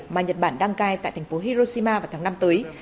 mà nhật bản đăng cai tại thành phố hiroshima vào tháng năm tới